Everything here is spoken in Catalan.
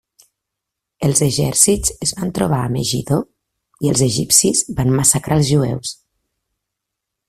Els exèrcits es van trobar a Megiddo i els egipcis van massacrar els jueus.